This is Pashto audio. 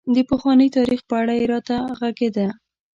د پخواني تاريخ په اړه یې راته غږېده.